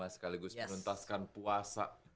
sekaligus menuntaskan puasa